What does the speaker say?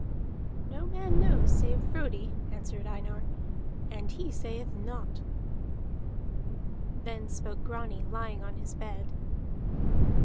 "No man knows save Frodi," answered Einar, "and he sayeth not." Then spoke Grani, lying on his bed.